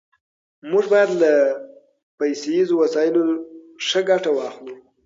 موږ بايد له پيسيزو وسايلو ښه ګټه واخلو.